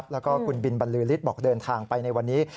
แล้วก็คุณบินบรรลือฤทธิ์บอกเดินทางไปในวันนี้